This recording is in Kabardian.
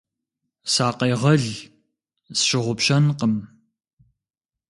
Сакъегъэл, сщыгъупщэнкъым.